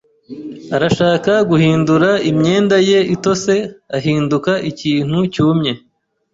arashaka guhindura imyenda ye itose ahinduka ikintu cyumye.